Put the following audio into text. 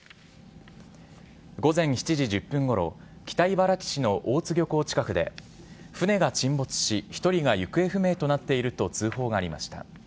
午前７時１０分ごろ、北茨城市の大津漁港近くで、船が沈没し、１人が行方不明となっていると通報がありました。